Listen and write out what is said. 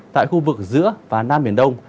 tại khu vực giữa và nam biển đông